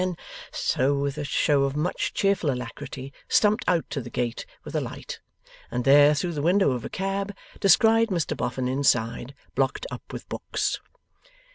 And so with a show of much cheerful alacrity stumped out to the gate with a light, and there, through the window of a cab, descried Mr Boffin inside, blocked up with books.